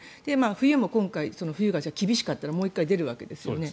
冬も今回、冬が厳しかったらもう１回出るわけですよね。